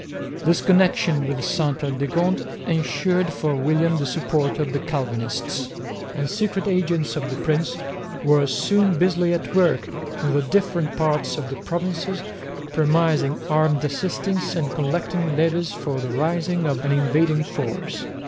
This connection with Sainte Aldegonde ensured for William the support of the Calvinists; and secret agents of the prince were soon busily at work in the different parts of the provinces promising armed assistance and collecting levies for the raising of an invading force.